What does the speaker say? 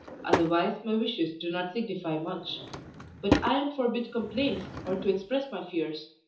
Otherwise my wishes do not signify much, but I am forbid complaints, or to express my fears.